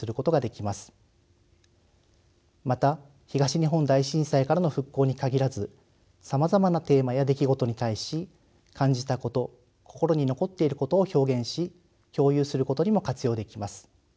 また東日本大震災からの復興に限らずさまざまなテーマや出来事に対し感じたこと心に残っていることを表現し共有することにも活用できます。